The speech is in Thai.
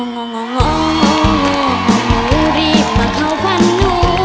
งูรีบมาเข้าฝั่งหนู